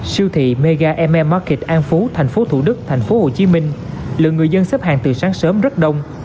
siêu thị mega emm market an phú tp thủ đức tp hcm lượng người dân xếp hàng từ sáng sớm rất đông